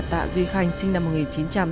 tạ duy khanh sinh năm một nghìn chín trăm tám mươi